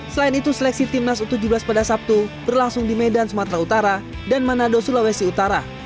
selain itu seleksi timnas u tujuh belas pada sabtu berlangsung di medan sumatera utara dan manado sulawesi utara